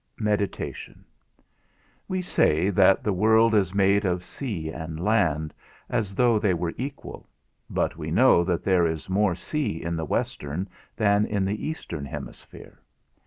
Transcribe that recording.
_ XIII. MEDITATION. We say that the world is made of sea and land, as though they were equal; but we know that there is more sea in the Western than in the Eastern hemisphere.